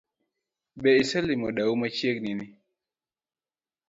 Be iselimo dau machiegni?